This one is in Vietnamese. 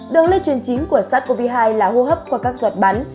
đường lây truyền chính của sars cov hai là hô hấp qua các giọt bắn